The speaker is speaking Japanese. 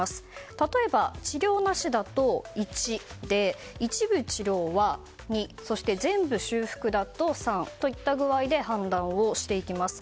例えば治療なしだと１で一部治療は２、全部修復だと３といった具合で判断をしていきます。